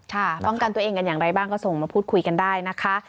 ป้องกันตัวเองกันอย่างไรบ้างก็ส่งมาพูดคุยกันได้นะคะ